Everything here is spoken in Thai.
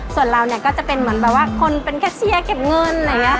ส่วนเราจะเป็นแบบว่าคนเป็นแคะเชียร์เก็บเงิน